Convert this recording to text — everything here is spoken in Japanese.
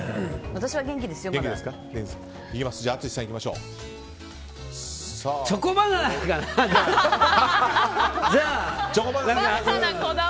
私は元気ですよ、まだ。